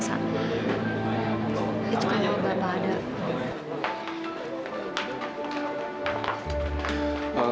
saya juga mau bantah ada